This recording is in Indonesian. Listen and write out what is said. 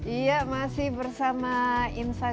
iya masih bersama insight